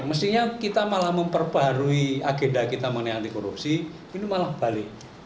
mestinya kita malah memperbarui agenda kita mengenai anti korupsi ini malah balik